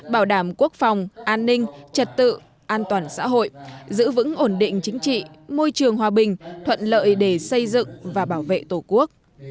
bảo đảm quốc phòng an ninh trật tự an toàn xã hội giữ vững ổn định chính trị môi trường hòa bình thuận lợi để xây dựng và bảo vệ tổ quốc